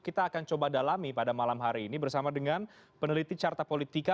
kita akan coba dalami pada malam hari ini bersama dengan peneliti carta politika